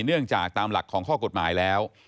เนื่องจากตามหลักของข้อกฎหมายแล้ว